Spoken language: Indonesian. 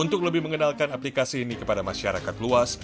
untuk lebih mengenalkan aplikasi ini kepada masyarakat luas